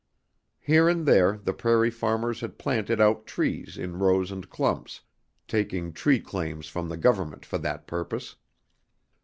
Here and there the prairie farmers had planted out trees in rows and clumps, taking tree claims from the Government for that purpose.